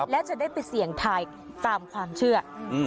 และจะได้ไปเสี่ยงทายตามความเชื่อ